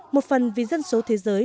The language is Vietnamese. một phần vì dân số thế giới